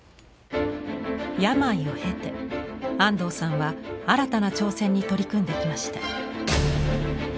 病を経て安藤さんは新たな挑戦に取り組んできました。